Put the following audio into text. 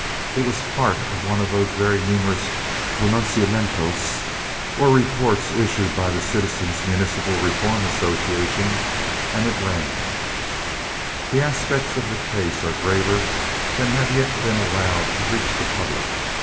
It was a part of one of those very numerous pronunciamientos or reports issued by the Citizens' Municipal Reform Association, and it ran: "The aspects of the case are graver than have yet been allowed to reach the public.